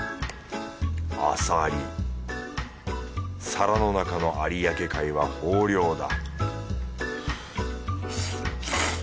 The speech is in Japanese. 皿の中の有明海は豊漁だ